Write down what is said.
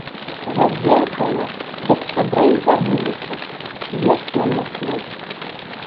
За дзеўкамі дык сябры й забыліся, ці ёсць ён на свеце.